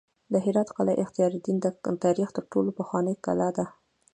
د هرات قلعه اختیارالدین د تاریخ تر ټولو پخوانۍ کلا ده